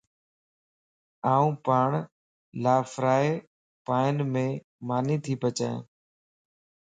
آن پاڻ لافرائي پانيم ماني تي پچائين